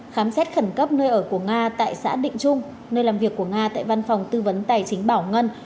khám xét khẩn cấp nơi ở của nga tại xã định trung nơi làm việc của nga tại văn phòng tư vấn tài chính bảo ngân